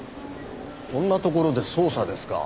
こんなところで捜査ですか？